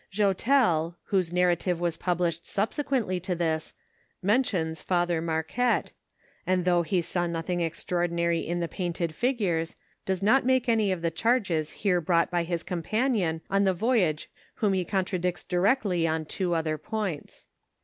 Joutel, whose narrative was published subsequently to this, mentions (See Hist. Coll. of Louisiana, vol. i., p. 182) Father Marquette, and though he saw nothing extraordinary in the painted figures, does not make any of the eharges here brought by his companion on the voyoge whom he contradicts directly on two other points.